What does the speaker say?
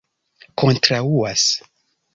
kontraŭas